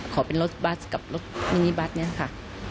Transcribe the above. ขอเป็นรถบัสกับรถมินิบัสเนี่ยค่ะ